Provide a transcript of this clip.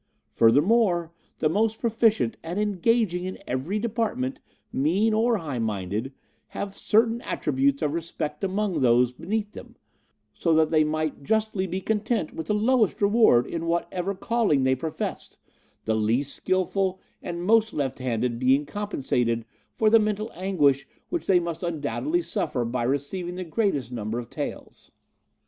Furthermore, the most proficient and engaging in every department, mean or high minded, have certain attributes of respect among those beneath them, so that they might justly be content with the lowest reward in whatever calling they professed, the least skilful and most left handed being compensated for the mental anguish which they must undoubtedly suffer by receiving the greatest number of taels.